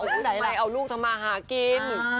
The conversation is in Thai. ทำไมเอาลูกทำมาหากิน